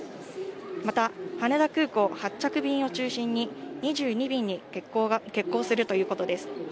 また、羽田空港発着便を中心に、２２便が欠航するということです。